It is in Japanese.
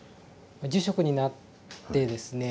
住職になってですね